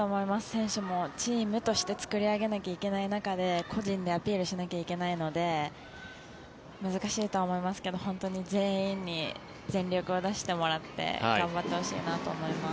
選手も、チームとして作り上げなきゃいけない中で個人でアピールしなきゃいけないので難しいと思いますけど本当に全員に全力を出してもらって頑張ってほしいなと思います。